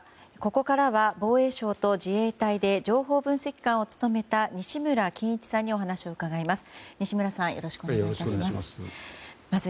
ここからは防衛省と自衛隊で情報分析官を務めた西村金一さんにお話を伺います。